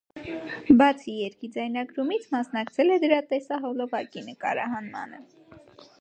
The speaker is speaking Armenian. Բացի երգի ձայնագրումից մասնակցել է դրա տեսահոլովակի նկարահանմանը։